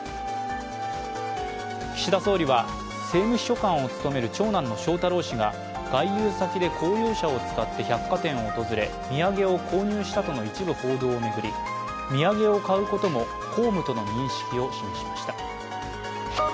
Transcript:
岸田総理は政務秘書官を務める長男の翔太郎氏が外遊先で公用車を使って百貨店を訪れ土産を購入したとの一部報道を巡り、土産を買うことも公務との認識を示しました。